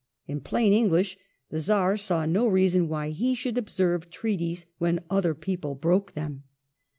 In plain English, the Czar saw no reason why he should observe treaties when other people broke them.